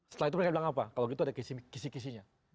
setelah itu mereka bilang apa kalau gitu ada kisi kisinya